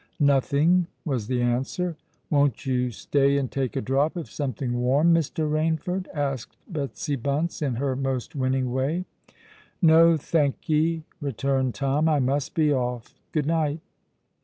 "Nothing," was the answer. "Won't you stay and take a drop of something warm, Mr. Rainford?" asked Betsy Bunce, in her most winning way. "No, thank 'ee," returned Tom. "I must be off. Good night."